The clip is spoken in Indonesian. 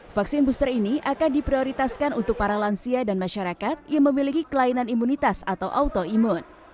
vaksin booster ini akan diprioritaskan untuk para lansia dan masyarakat yang memiliki kelainan imunitas atau autoimun